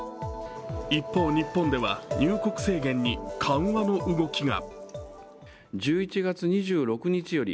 一方、日本では入国制限に緩和の動きが。